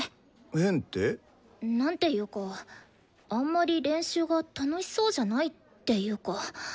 変って？なんていうかあんまり練習が楽しそうじゃないっていうか。